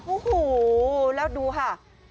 โอ้โหแล้วดูค่ะ